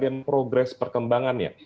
bagian progres perkembangannya